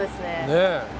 ねえ。